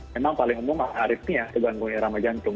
memang paling umum aritmia gangguan irama jantung